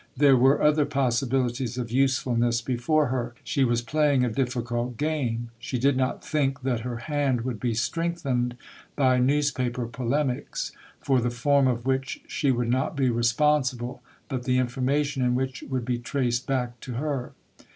There were other possibilities of usefulness before her. She was playing a difficult game. She did not think that her hand would be strengthened by newspaper polemics, for the form of which she would not be responsible, but the information in which would be traced back to her.